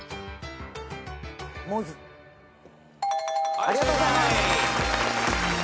ありがとうございます。